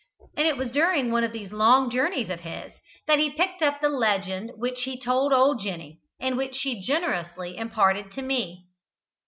And it was during one of these long journeys of his that he picked up the legend which he told old Jenny, and which she generously imparted to me.